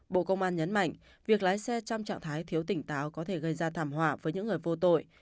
bộ công an nhấn mạnh việc lái xe trong trạng thái thiếu tỉnh táo có thể gây ra thảm họa với những người vô tội